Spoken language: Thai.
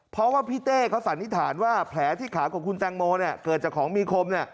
เพราะว่าพี่เต้เขาสันนิษฐานว่าแผลที่ขาของคุณแตงโมเกิดจากของมีคม